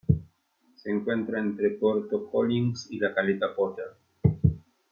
Se encuentra entre puerto Collins y la caleta Potter.